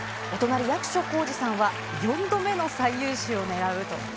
お隣、役所広司さんは４度目の最優秀を狙うと。